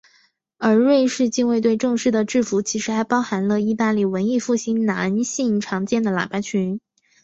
而瑞士近卫队正式的制服其实还包含了义大利文艺复兴男性常见的喇叭裙。